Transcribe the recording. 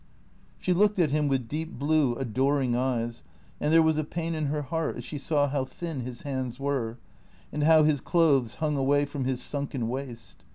She looked at him with deep blue, adoring eyes, and there was a pain in her heart as she saw how thin his hands were, and how his clothes hung away from his sunken waist.